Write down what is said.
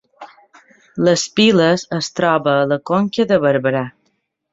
Les Piles es troba a la Conca de Barberà